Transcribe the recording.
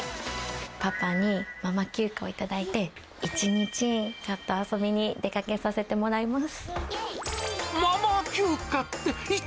パパにママ休暇を頂いて、１日、ちょっと遊びに出かけさせてもらいます。